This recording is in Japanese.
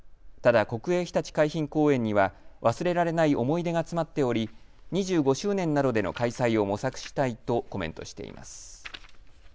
ただ国営ひたち海浜公園には忘れられない思い出が詰まっており２５周年などでの開催を模索したいとコメントしています。